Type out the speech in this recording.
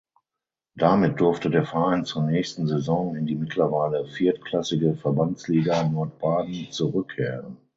Damit durfte der Verein zur nächsten Saison in die mittlerweile viertklassige Verbandsliga Nordbaden zurückkehren.